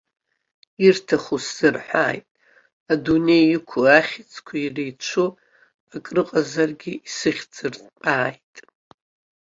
Ирҭаху сзырҳәааит, адунеи иқәу ахьыӡқәа иреицәоу акрыҟазаргьы исыхьӡыртәааит!